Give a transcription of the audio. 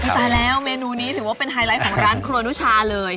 ตายแล้วเมนูนี้ถือว่าเป็นไฮไลท์ของร้านครัวนุชาเลย